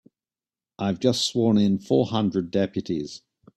I've just sworn in four hundred deputies.